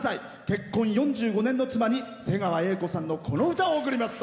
結婚４５年の妻に瀬川瑛子さんのこの歌を贈ります。